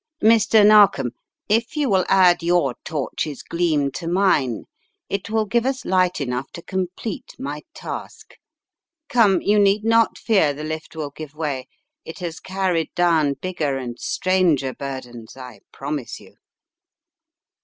Mr. Narkom, if you will add your torch's gleam to mine it will give us light enough to complete my task. Come, you need not fear the lift will give way, it has carried down bigger and stranger burdens, I promise you."